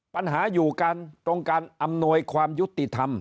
ปัญหาอยู่กันตรงการอำนวยความยุติธรรม